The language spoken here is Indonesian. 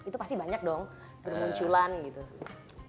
itu pasti banyak dong bermunculan gitu